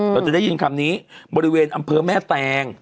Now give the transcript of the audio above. เราจะได้ยินคำนี้บริเวณอำเภอแม่แตง